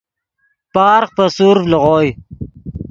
پارغ پے سورڤ لیغوئے